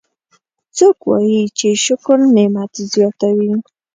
څوک وایي چې شکر نعمت زیاتوي